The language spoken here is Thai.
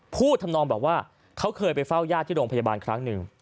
ทำนองบอกว่าเขาเคยไปเฝ้าญาติที่โรงพยาบาลครั้งหนึ่ง